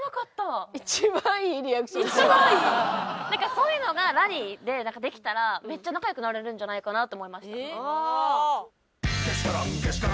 そういうのがラリーでできたらめっちゃ仲良くなれるんじゃないかなって思いました。